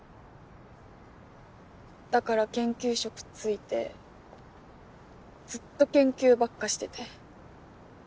だから研究職ついてずっと研究ばっかしてて。